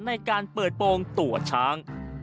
ในการเปิดโปรงตัวช้าง